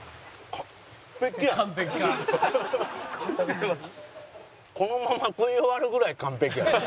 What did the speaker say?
このまま食い終わるぐらい完璧やで。